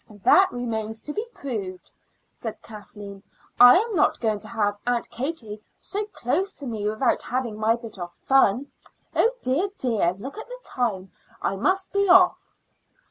"That remains to be proved," said Kathleen. "I am not going to have Aunt Katie so close to me without having my bit of fun. Oh, dear, dear! look at the time. I must be off."